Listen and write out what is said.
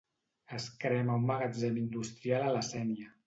Es crema un magatzem industrial a la Sénia.